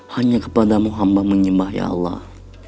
hanya kepadamu hamba menyembah ya allah